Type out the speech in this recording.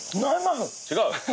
違う？